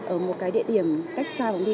ở một cái địa điểm cách xa phòng thi